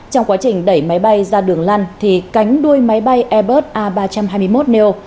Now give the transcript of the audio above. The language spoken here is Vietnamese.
trong quá trình đẩy máy bay ra đường lăn thì cánh đuôi máy bay airbus a ba trăm hai mươi một neo